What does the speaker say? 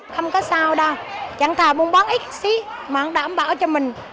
không có sao đâu chẳng thà muốn bán ít xí mà đảm bảo cho mình